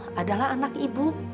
ibu adalah anak ibu